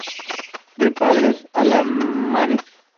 De padres alemanes.